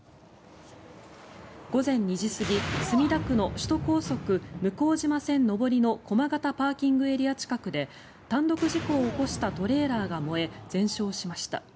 午前２時過ぎ墨田区の首都高速向島線上りの駒形ＰＡ近くで単独事故を起こしたトレーラーが燃え全焼しました。